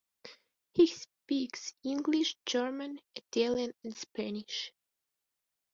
He speaks English, German, Italian and Spanish.